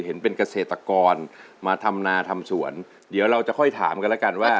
เห็นเป็นเกษตรกรมาทำนาทำสวนเดี๋ยวเราจะค่อยถามกันแล้วกันว่า